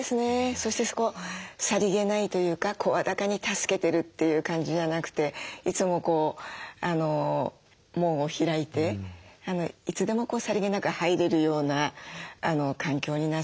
そしてさりげないというか声高に助けてるっていう感じじゃなくていつも門を開いていつでもさりげなく入れるような環境になさって。